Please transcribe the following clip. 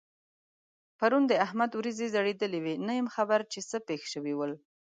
پرون د احمد وريځې ځړېدلې وې؛ نه یم خبر چې څه پېښ شوي ول؟